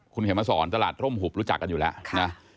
คุณเขียนมาสอนตลาดร่มหุบรู้จักกันอยู่แล้วนะ